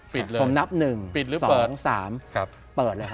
ปิดเลยปิดหรือเปิดผมนับ๑๒๓เปิดเลยครับ